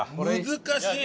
難しい！